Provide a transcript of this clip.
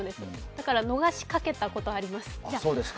だから逃しかけたことがございます。